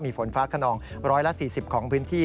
มีฝนฟ้าขนอง๑๔๐ของพื้นที่